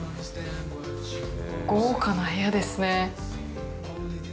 豪華な部屋ですね。